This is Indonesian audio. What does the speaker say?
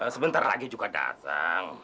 sebentar lagi juga datang